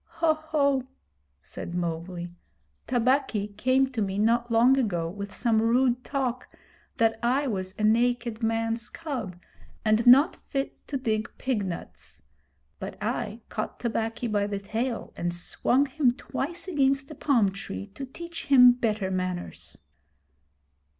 'Ho! ho!' said Mowgli. 'Tabaqui came to me not long ago with some rude talk that I was a naked man's cub and not fit to dig pig nuts; but I caught Tabaqui by the tail and swung him twice against a palm tree to teach him better manners.'